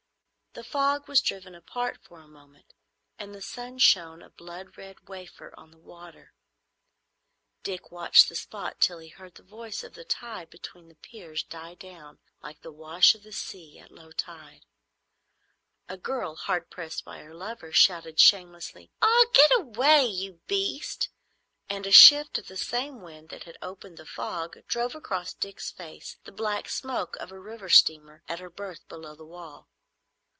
The fog was driven apart for a moment, and the sun shone, a blood red wafer, on the water. Dick watched the spot till he heard the voice of the tide between the piers die down like the wash of the sea at low tide. A girl hard pressed by her lover shouted shamelessly, "Ah, get away, you beast!" and a shift of the same wind that had opened the fog drove across Dick's face the black smoke of a river steamer at her berth below the wall.